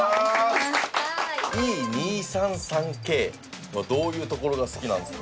Ｅ２３３系はどういうところが好きなんですか？